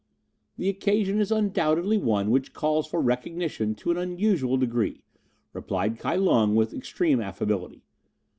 "The occasion is undoubtedly one which calls for recognition to an unusual degree," replied Kai Lung with extreme affability.